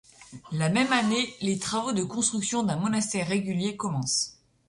La même année, les travaux de construction d'un monastère régulier commencent.